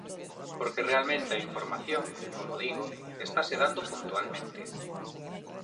Porque realmente a información, como digo, estase dando puntualmente.